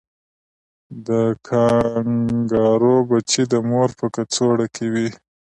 د کانګارو بچی د مور په کڅوړه کې وي